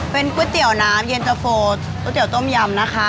เป็นก๋วยเตี๋ยวน้ำเย็นตะโฟก๋วยเตี๋ยต้มยำนะคะ